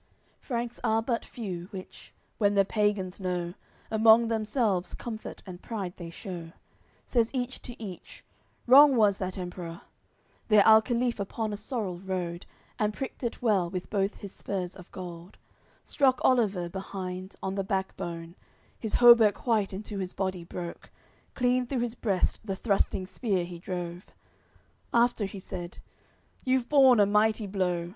CXLV Franks are but few; which, when the pagans know, Among themselves comfort and pride they shew; Says each to each: "Wrong was that Emperor." Their alcaliph upon a sorrel rode, And pricked it well with both his spurs of gold; Struck Oliver, behind, on the back bone, His hauberk white into his body broke, Clean through his breast the thrusting spear he drove; After he said: "You've borne a mighty blow.